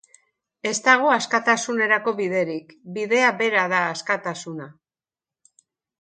Ez dago askatasunerako biderik, bidea bera da askatasuna.